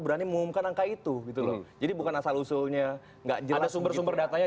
berani mengumumkan angka itu gitu loh jadi bukan asal usulnya enggak ada sumber sumber datanya